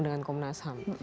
dengan komnas ham